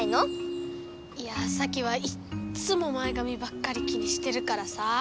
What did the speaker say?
いやサキはいっつも前がみばっかり気にしてるからさあ。